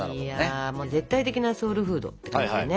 絶対的なソウルフードって感じでね。